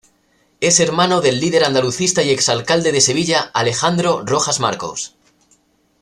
Es hermano del líder andalucista y ex-alcalde de Sevilla Alejandro Rojas-Marcos.